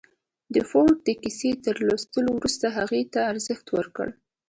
د فورډ د کيسې تر لوستو وروسته هغې ته ارزښت ورکړئ.